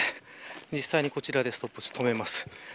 実際にこちらでストップウオッチを止めます。